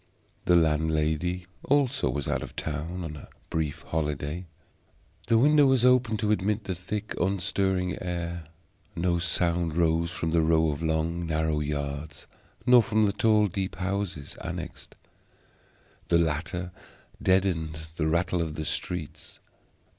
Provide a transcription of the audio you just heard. The landlady also was out of town on a brief holiday. The window was open to admit the thick unstirring air; no sound rose from the row of long narrow yards, nor from the tall deep houses annexed. The latter deadened the rattle of the streets.